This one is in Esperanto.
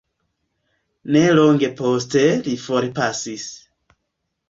Ne longe poste li forpasis.